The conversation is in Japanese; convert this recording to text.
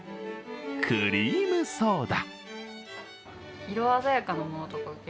クリームソーダ。